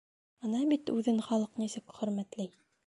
Ана бит үҙен халыҡ нисек хөрмәтләй.